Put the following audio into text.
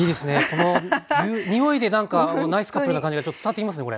この匂いでなんかナイスカップルな感じがちょっと伝わってきますね